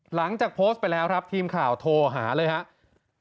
หลังจากโพสต์ไปแล้วครับทีมข่าวโทรหาเลยครับ